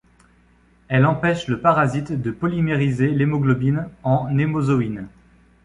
Elle empêche le parasite de polymériser l'hémoglobine en hémozoïne.